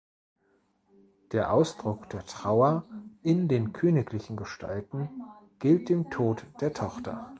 Der Ausdruck der Trauer in den königlichen Gestalten gilt dem Tod der Tochter.